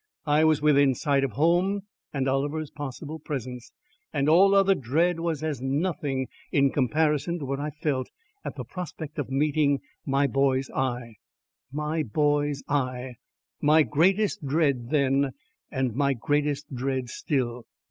I was within sight of home and Oliver's possible presence; and all other dread was as nothing in comparison to what I felt at the prospect of meeting my boy's eye. My boy's eye! my greatest dread then, and my greatest dread still!